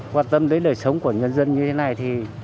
quan tâm đến đời sống của nhân dân như thế này thì